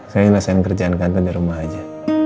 saya ngelesen kerjaan kantor di rumah aja